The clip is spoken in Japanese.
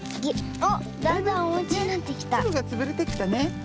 つぶがつぶれてきたね。